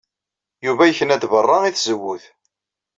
Yuba yekna-d beṛṛa i tzewwut.